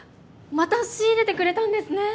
また仕入れてくれたんですね。